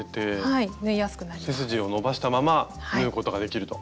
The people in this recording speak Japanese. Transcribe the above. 高さが出て背筋を伸ばしたまま縫うことができると。